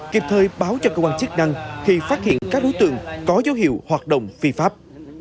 kịp thời báo cho cơ quan chức năng khi phát hiện các đối tượng có dấu hiệu hoạt động phi pháp